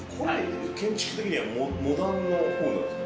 建築的にはモダンなほうなんですか。